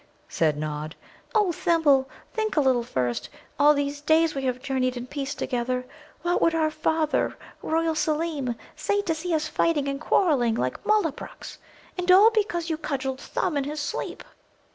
said Nod. "O Thimble, think a little first! All these days we have journeyed in peace together. What would our father, Royal Seelem, say to see us now fighting and quarrelling like Mullabruks, and all because you cudgelled Thumb in his sleep?"